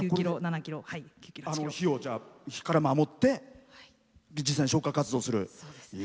火から守って実際に消火活動をする。